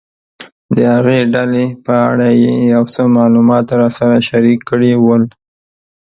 د هغې ډلې په اړه یې یو څه معلومات راسره شریک کړي ول.